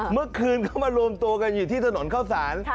เมื่อคืนก็มารวมตัวกันอยู่ที่ถนนเข้าสาร